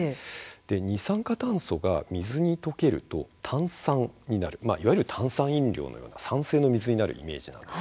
一酸化炭素が水に溶けると炭酸にになるいわゆる炭酸飲料のような酸性の水になるイメージです。